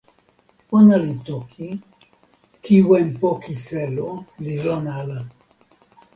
"ona li toki: "kiwen poki selo li lon ala."